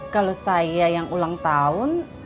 kalau saya yang ulang tahun